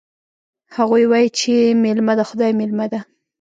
هغوی وایي چې میلمه د خدای مېلمه ده